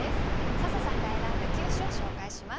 笹さんが選んだ９首を紹介します。